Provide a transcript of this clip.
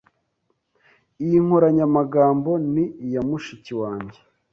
Iyi nkoranyamagambo ni iya mushiki wanjye.